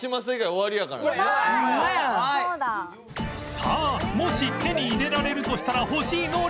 さあもし手に入れられるとしたら欲しい能力